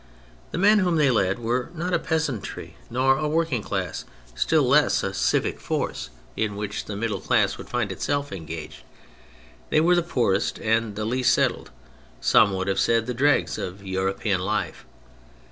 The men whom they led were not a peasantry nor a working class, still less a civic force 148 THE FRENCH REVOLUTION in which the middle class would find itself engaged : they were the poorest and the least settled, some would have said the dregs of European life.